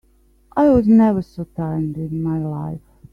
I was never so tired in my life.